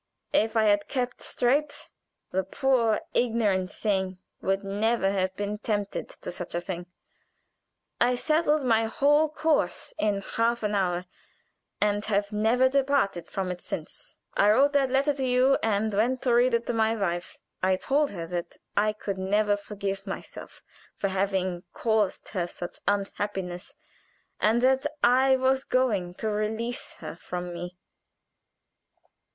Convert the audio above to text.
If I had kept straight, the poor ignorant thing would never have been tempted to such a thing. I settled my whole course in half an hour, and have never departed from it since. "I wrote that letter to you, and went and read it to my wife. I told her that I could never forgive myself for having caused her such unhappiness, and that I was going to release her from me.